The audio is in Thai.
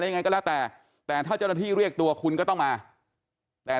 อะไรยังไงก็แล้วแต่ท่าจนที่เรียกตัวคุณก็ต้องมาแต่ถ้า